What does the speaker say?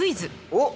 おっ！